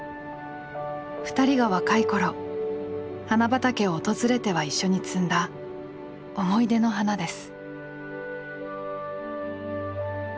２人が若い頃花畑を訪れては一緒に摘んだ思い出の花です。